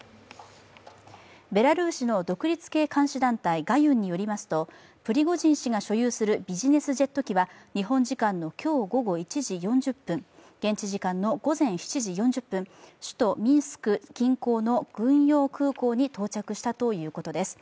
ベラルーシの独立系監視団体ガユンによりますとプリゴジン氏が所有するビジネスジェット機は、日本時間の今日午後１時４０分現地時間の午前７時４０分、首都ミンスク近郊の軍用空港に到着したということです。